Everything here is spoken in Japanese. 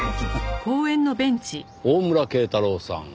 大村啓太郎さん。